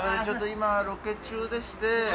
ちょっと今ロケ中でして。